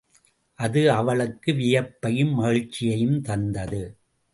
அது அவருக்கு வியப்பையும் மகிழ்ச்சியையும் தந்தது.